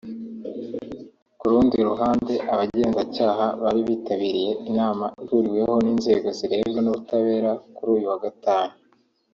Ku rundi ruhande abagenzacyaha bari bitabiriye inama ihuriweho n’inzego zirebwa n’ubutabera kuri uyu wa gatanu